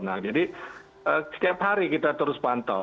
nah jadi setiap hari kita terus pantau